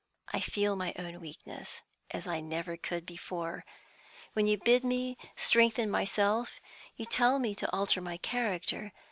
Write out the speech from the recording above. I feel my own weakness, as I never could before. When you bid me strengthen myself, you tell me to alter my character.